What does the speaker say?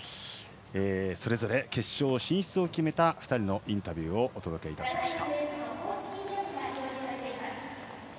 それぞれ決勝進出を決めた２人のインタビューをお届けしました。